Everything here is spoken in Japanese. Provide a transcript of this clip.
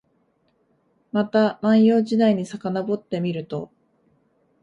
また万葉時代にさかのぼってみると、